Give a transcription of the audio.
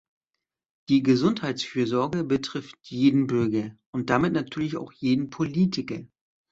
Die Gesundheitsfürsorge betrifft jeden Bürger und damit natürlich auch jeden Politiker.